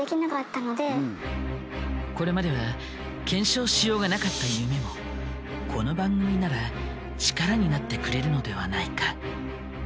これまでは検証しようがなかった夢もこの番組なら力になってくれるのではないか？